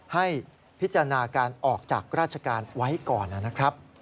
ให้พิจารณาการออกจากราชการไว้ก่อนนะครับ